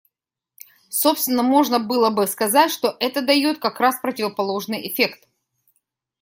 Собственно, можно было бы сказать, что это дает как раз противоположный эффект.